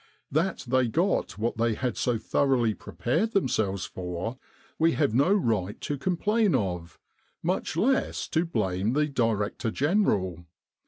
That they got what they had so thoroughly prepared themselves for we have no right to complain of, much less to blame the Director General.